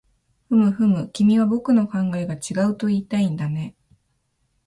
ふむふむ、君は僕の考えが違うといいたいんだね